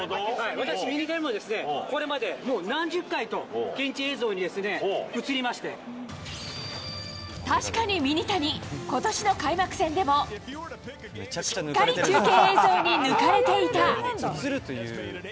私、ミニタニもこれまでもう何十回と現地映像にですね、確かにミニタニ、ことしの開幕戦でも、しっかり中継映像に抜かれていた。